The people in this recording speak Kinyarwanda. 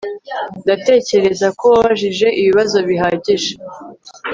Ndatekereza ko wabajije ibibazo bihagije